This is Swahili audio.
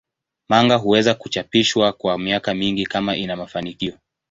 Manga huweza kuchapishwa kwa miaka mingi kama ina mafanikio.